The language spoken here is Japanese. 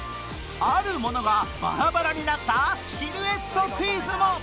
あるものがバラバラになったシルエットクイズも！